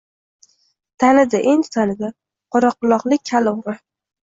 Tanidi endi tanidi qoraquroqlik kal o‘g‘ri